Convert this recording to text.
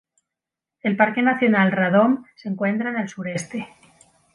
El Parque nacional Radom se encuentra en el suroeste.